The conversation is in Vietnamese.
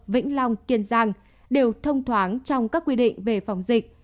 vĩnh long kiên giang đều thông thoáng trong các quy định về phòng dịch